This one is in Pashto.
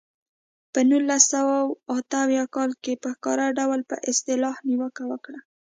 په نولس سوه اته اویا کال کې په ښکاره ډول پر اصطلاح نیوکه وکړه.